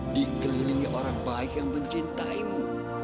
dikelilingi orang baik yang mencintaimu